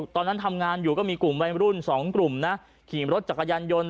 ตอนนั้นทำงานอยู่ก็มีกลุ่มวัยรุ่น๒กลุ่มนะขี่รถจักรยานยนต์